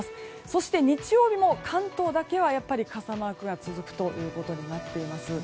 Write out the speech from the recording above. そして日曜日も関東だけは傘マークが続くということになりそうです。